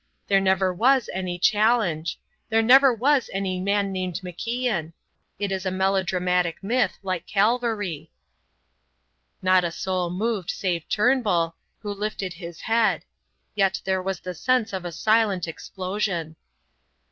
There never was any challenge. There never was any man named MacIan. It is a melodramatic myth, like Calvary." Not a soul moved save Turnbull, who lifted his head; yet there was the sense of a silent explosion.